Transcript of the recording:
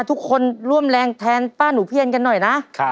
ทุกคนร่วมแรงแทนป้าหนูเพียนกันหน่อยนะ